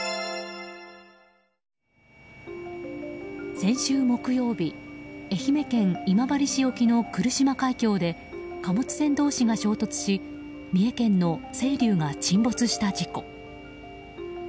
先週木曜日愛媛県今治市沖の来島海峡で貨物船同士が衝突し三重県の「せいりゅう」が沈没した事故。